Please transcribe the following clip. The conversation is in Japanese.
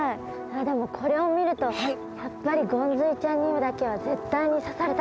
でもこれを見るとやっぱりゴンズイちゃんにだけは絶対に刺されたくないです。